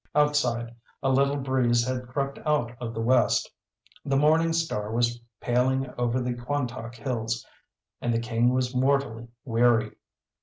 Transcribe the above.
Outside, a little breeze had crept out of the West. The morning star was paling over the Quantock Hills, and the King was mortally weary.